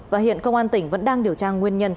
và hiện công an tỉnh vẫn đang điều tra nguyên nhân